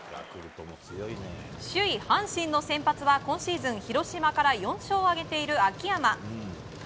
首位、阪神の先発は今シーズン、広島から４勝を挙げている秋山。